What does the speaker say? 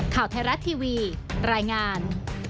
ข่าวไทยรัฐทีวีรายงาน